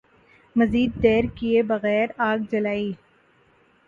مزید دیر کئے بغیر آگ جلائی